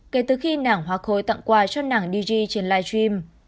kể từ khi nảng hoa khôi tặng quà cho nảng dg trên live stream